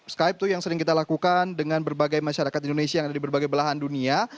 skype itu yang sering kita lakukan dengan berbagai masyarakat indonesia yang ada di berbagai belahan dunia